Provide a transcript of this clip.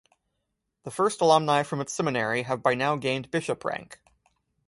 The first alumni from its seminary have by now gained bishop rank.